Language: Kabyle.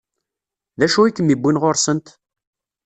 D acu i kem-iwwin ɣur-sent?